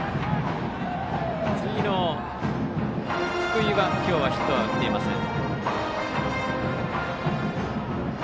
次の福井は今日はヒット打っていません。